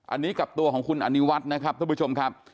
อันนี้กับตัวของคุณอนิวัฒน์นะครับท่านผู้ชมครับ